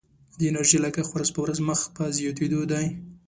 د انرژي لګښت ورځ په ورځ مخ په زیاتیدو دی.